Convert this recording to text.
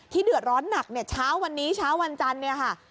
ที่เดือดร้อนหนักช้าวันวันจันทร์